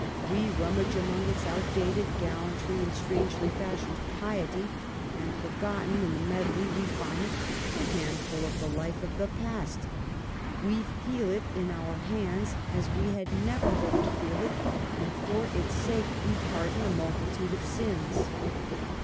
We rummage among its out dated gallantry and strangely fashioned piety, and forgotten in the medley we find a handful of the life of the past. We feel it in our hands, as we had never hoped to feel it ; and for its sake we pardon a multitude of sins.